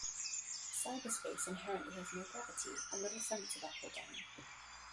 Cyberspace inherently has no gravity and little sense of up or down.